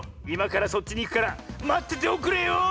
いまからそっちにいくからまってておくれよ！